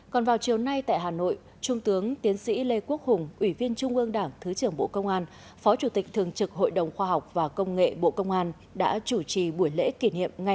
còn vào chiều nay tại hà nội trung tướng tiến sĩ lê quốc hùng ủy viên trung ương đảng thứ trưởng bộ công an phó chủ tịch thường trực hội đồng khoa học và công nghệ bộ công an đã chủ trì buổi lễ kỷ niệm